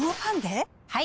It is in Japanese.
はい！